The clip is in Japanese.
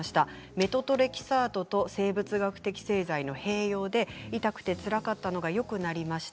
メトトレキサートと生物学的製剤の併用で痛くて、つらかったのがよくなりました。